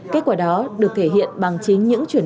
kết quả đó được thể hiện bằng chính những chuyển